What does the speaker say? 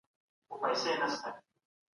د منځنۍ لارې خلګ په دې بحثونو کې نه ځاییږي.